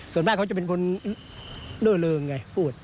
ส่วนมากเขาจะเป็นคนเล่อเริงไงพูด